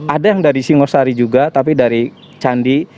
ada yang dari singosari juga tapi dari candi